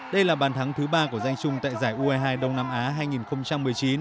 đây là bàn thắng thứ ba của danh trung tại giải ue hai đông nam á hai nghìn một mươi chín